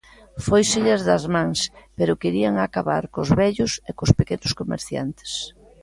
Fóiselles das mans, pero querían acabar cos vellos e cos pequenos comerciantes.